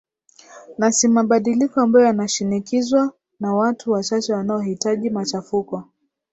na si mabadiliko ambayo yanashinikizwa na watu wachache wanaohitaji machafuko